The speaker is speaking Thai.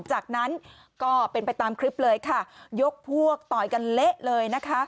จากนั้นก็เป็นไปตามคลิปเลยค่ะยกพวกต่อยกันเละเลยนะคะ